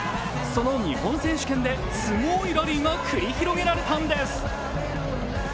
その日本選手権で、すごいラリーが繰り広げられたんです。